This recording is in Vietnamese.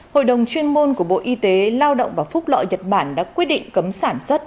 hội đồng chuyên môn của bộ y tế lao động và phúc lợi nhật bản đã quyết định cấm sản xuất